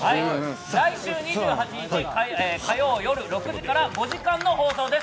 来週２８日、火曜日夜６時から放送です。